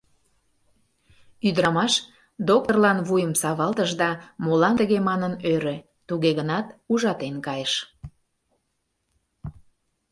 Ӱдырамаш доктырлан вуйым савалтыш да молан тыге манын ӧрӧ, туге-гынат ужатен кайыш.